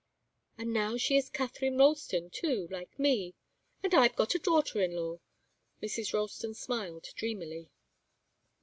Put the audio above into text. "And now she is Katharine Ralston, too, like me and I've got a daughter in law!" Mrs. Ralston smiled dreamily.